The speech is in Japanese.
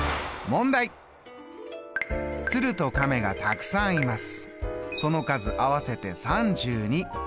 鶴と亀がたくさんいます。